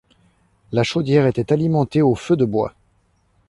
La chaudière était alimentée au feu de bois.